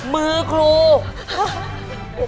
มือครู